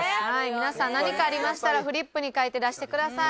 皆さん何かありましたらフリップに書いて出してください。